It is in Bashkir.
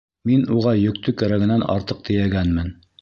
Мин уға йөктө кәрәгенән артыҡ тейәгәнмен.